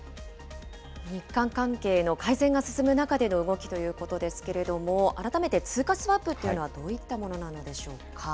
日韓関係の改善が進む中での動きということですけれども、改めて通貨スワップというのは、どういったものなのでしょうか。